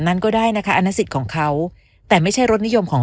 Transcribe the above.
นั้นก็ได้นะคะอันนั้นสิทธิ์ของเขาแต่ไม่ใช่รสนิยมของ